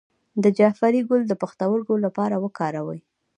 د جعفری ګل د پښتورګو لپاره وکاروئ